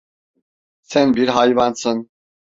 Sen bir hayvansın.